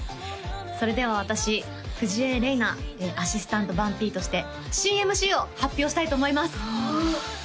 それでは私藤江れいなアシスタント番Ｐとして新ＭＣを発表したいと思います！